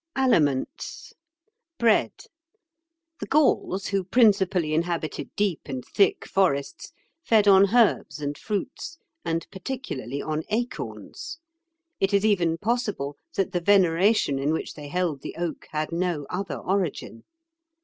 Aliments. Bread. The Gauls, who principally inhabited deep and thick forests, fed on herbs and fruits, and particularly on acorns. It is even possible that the veneration in which they held the oak had no other origin.